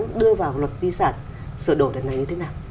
sửa đổi đặt này như thế nào